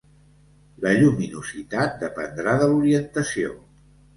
La lluminositat dependrà de l'orientació.